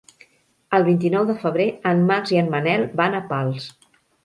El vint-i-nou de febrer en Max i en Manel van a Pals.